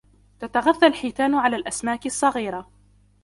تتغذى الحيتان على الأسماك الصغيرة.